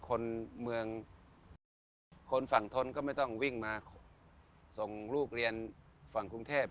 คนเมืองคนฝั่งทนก็ไม่ต้องวิ่งมาส่งลูกเรียนฝั่งกรุงเทพ